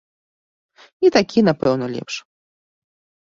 І такі, напэўна, лепш.